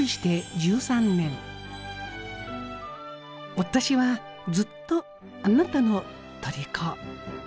私はずっとあなたのとりこ。